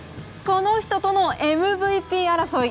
この人とのＭＶＰ争い。